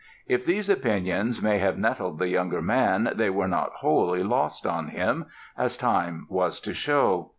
If these opinions may have nettled the younger man they were not wholly lost on him, as time was to show.